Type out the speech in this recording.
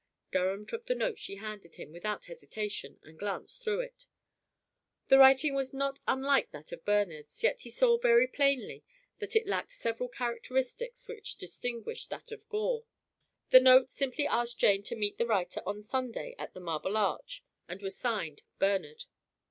Durham took the note she handed him without hesitation, and glanced through it. The writing was not unlike that of Bernard's, yet he saw very plainly that it lacked several characteristics which distinguished that of Gore. The note simply asked Jane to meet the writer on Sunday at the Marble Arch, and was signed "Bernard."